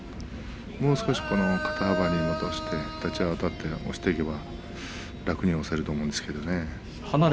もう少し肩幅に戻して立ち合いあたって押していけば楽に押していけると思うんですね。